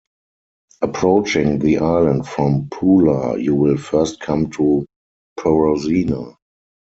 Approaching the island from Pula, you will first come to Porozina.